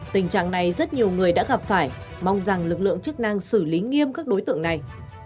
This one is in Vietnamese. tình trạng này rất nhiều người đã gặp phải mong rằng lực lượng chức năng xử lý nghiêm các đối tượng này